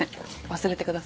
忘れてください。